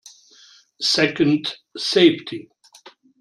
Second, safety.